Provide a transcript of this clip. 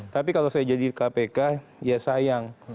tapi kalau saya jadi kpk ya sayang